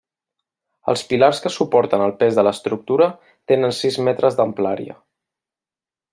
Els pilars que suporten el pes de l'estructura tenen sis metres d'amplària.